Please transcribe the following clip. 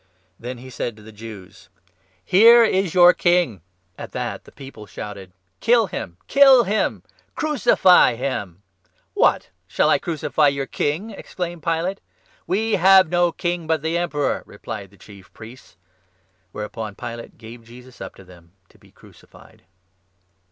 Then he said to the Jews :" Here is your King !" 204 JOHN, 19. At that the people shouted : 15 " Kill him ! Kill him ! Crucify him !"" What ! shall I crucify your King ?" exclaimed Pilate. "We have no King but the Emperor," replied the Chief Priests ; whereupon Pilate gave Jesus up to them to be 16 crucified.